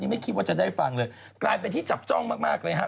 ไม่คิดว่าจะได้ฟังเลยกลายเป็นที่จับจ้องมากเลยฮะ